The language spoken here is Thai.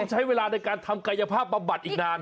ต้องใช้เวลาในการทำกายภาพประบัติอีกนาน